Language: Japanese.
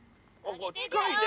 近いね。